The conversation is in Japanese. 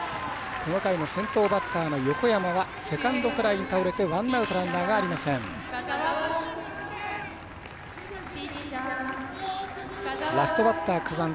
この回の先頭バッターの横山はセカンドフライに倒れてワンアウトランナーがありません。